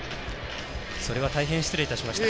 それは大変、失礼いたしました。